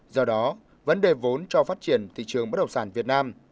do đó vấn đề vốn cho phát triển thị trường bất động sản việt nam